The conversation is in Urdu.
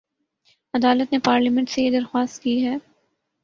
عدالت نے پارلیمنٹ سے یہ درخواست کی ہے